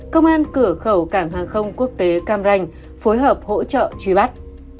công an cửa khẩu cảng hàng không quốc tế cam ranh phối hợp hỗ trợ truy bắt